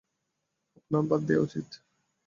আপনার বাদ দেয়া উচিত।